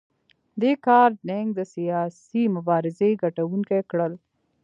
دې کار دینګ د سیاسي مبارزې ګټونکي کړل.